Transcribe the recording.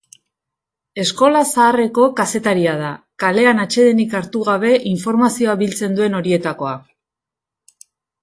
Eskola zaharreko kazetaria da, kalean atsedenik hartu gabe informazioa biltzen duen horietakoa.